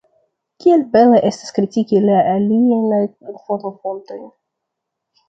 Kiel bele estas kritiki la aliajn informofontojn!